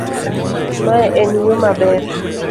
mae ne en yo maber